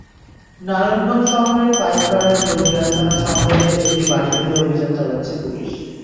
নারায়ণগঞ্জ শহরের পাইকপাড়ায় জঙ্গি আস্তানা সন্দেহে একটি বাড়ি ঘিরে অভিযান চালাচ্ছে পুলিশ।